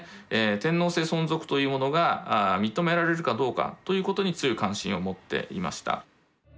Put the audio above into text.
天皇制存続というものが認められるかどうかということに強い関心を持っていました。